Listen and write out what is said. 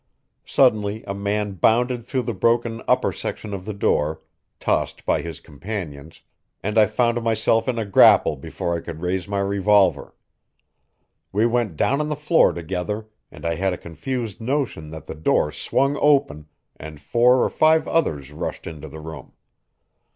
Suddenly a man bounded through the broken upper section of the door, tossed by his companions, and I found myself in a grapple before I could raise my revolver. We went down on the floor together, and I had a confused notion that the door swung open and four or five others rushed into the room.